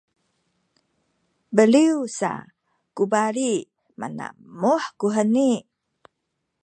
beliw sa ku bali manamuh kuheni